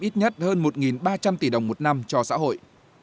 ít nhất hơn một ba trăm linh tỷ đồng một năm cho xã hội